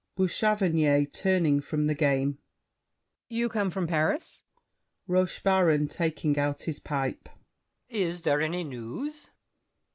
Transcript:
BOUCHAVANNES (turning from the game). You come from Paris? ROCHEBARON (taking out his pipe). Is there any news?